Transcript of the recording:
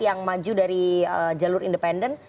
yang maju dari jalur independen